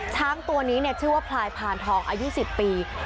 ช้างตัวนี้ชื่อว่าพลายพานทองอายุ๑๐ปี